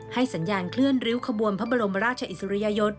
สัญญาณเคลื่อนริ้วขบวนพระบรมราชอิสริยยศ